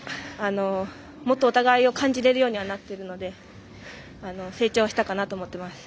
もっとお互いを感じられるようにはなっているので成長はしたかなと思っています。